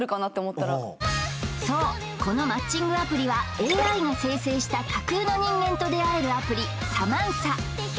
このマッチングアプリはＡＩが生成した架空の人間と出会えるアプリｓａｍａｎｓａ